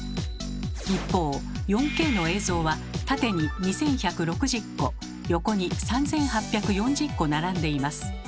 一方４Ｋの映像は縦に２，１６０個横に３，８４０個並んでいます。